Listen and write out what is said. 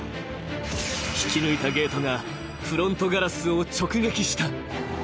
引き抜いたゲートがフロントガラスを直撃した。